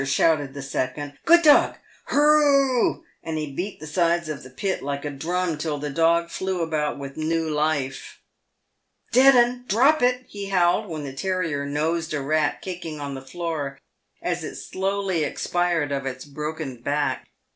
shouted the second. "Good dog! Hurr r r r h !" and he beat the sides of the pit, like a drum, till the dog flew about with new life. " Dead 'un — drop it !" he howled, when the terrier" nosed" a rat kicking on the floor, as it slowly expired of its broken back.